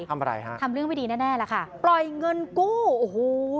ทำอะไรฮะทำเรื่องไม่ดีแน่แน่ล่ะค่ะปล่อยเงินกู้โอ้โห